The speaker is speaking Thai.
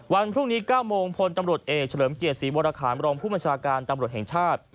วันพรุ่งนี้๙โมงพลตำรวจเอกเฉลิมเกียรติศรีวรคามรองผู้บัญชาการตำรวจแห่งชาติ